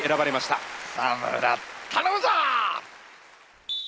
草村頼むぞ！